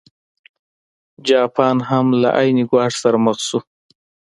جاپان هم له عین ګواښ سره مخ شو.